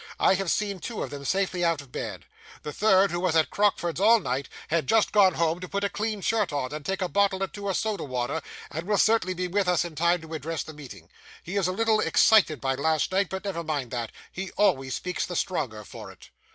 I have seen two of them safely out of bed. The third, who was at Crockford's all night, has just gone home to put a clean shirt on, and take a bottle or two of soda water, and will certainly be with us, in time to address the meeting. He is a little excited by last night, but never mind that; he always speaks the stronger for it.